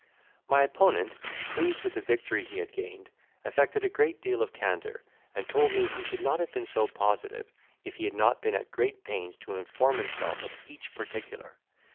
My opponent, pleased with the victory he had gained, affected a great deal of candour, and told me, he should not have been so positive, if he had not been at great pains to inform himself of each particular.